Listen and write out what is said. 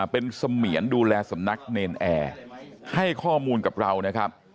เป็นเสมียนดูแลสำนักเนรนแอร์ให้ข้อมูลกับเรานะครับ